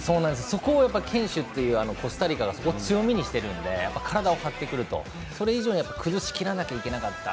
そこを堅守というコスタリカが強みにしているのでやっぱり体を張ってくるとそれ以上に崩しきらないといけなかった。